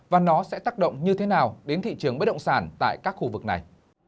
và nó sẽ tác động như thế nào đến thị trường bất động sản tại các khu vực này